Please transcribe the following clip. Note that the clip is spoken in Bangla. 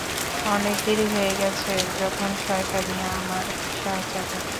অনেক দেরি হয়ে গেছে, এখন শয়তানই আমার শাহজাদা।